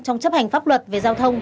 trong chấp hành pháp luật về giao thông